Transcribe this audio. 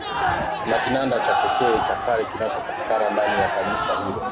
Kuna kinanda cha pekee cha kale kinachopatikana ndani ya kanisa hilo